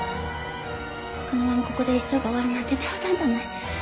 このままここで一生が終わるなんて冗談じゃない。